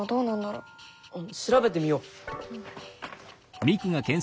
あっ調べてみよう。